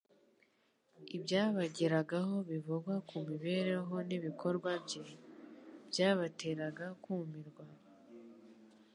Ibyabageragaho bivugwa ku mibereho n'ibikorwa bye, byabateraga kumirwa,